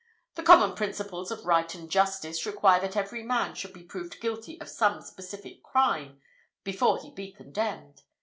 The common principles of right and justice require that every man should be proved guilty of some specific crime before he be condemned.